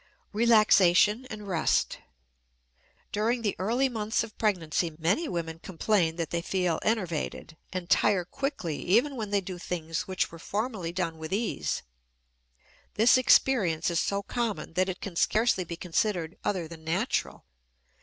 RELAXATION AND REST. During the early months of pregnancy many women complain that they feel enervated, and tire quickly even when they do things which were formerly done with ease; this experience is so common that it can scarcely be considered other than natural.